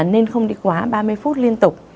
nên không đi quá ba mươi phút liên tục